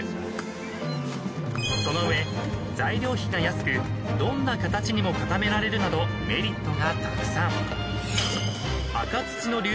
［その上材料費が安くどんな形にも固められるなどメリットがたくさん］